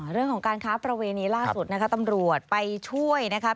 เรื่องของการค้าประเวณีล่าสุดนะคะตำรวจไปช่วยนะครับ